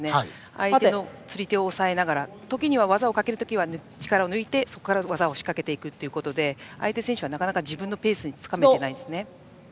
相手の釣り手を押さえながら時には、技をかける時には力を抜いてそこから技を仕掛けていくので相手選手はなかなか自分のペースがつかめていないですね。